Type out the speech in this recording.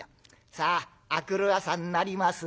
さあ明くる朝になります。